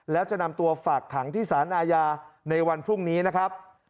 แล้วจะนำตัวฝากขังที่สารอาญาในวันพรุ่งนี้นะครับ